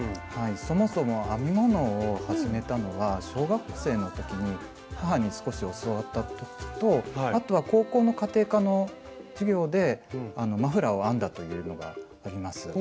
はいそもそも編み物を始めたのは小学生の時に母に少し教わった時とあとは高校の家庭科の授業でマフラーを編んだというのがあります。